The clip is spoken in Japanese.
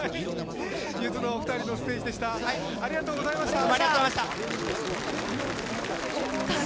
ゆずのお二人のステージでした。